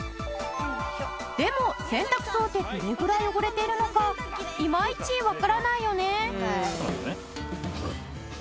でも洗濯槽ってどれぐらい汚れているのかイマイチわからないよね。